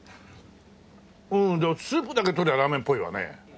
うんだからスープだけ取りゃあラーメンっぽいわね。